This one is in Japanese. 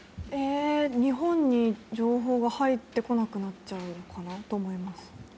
日本に情報が入ってこなくなっちゃうのかなと思います。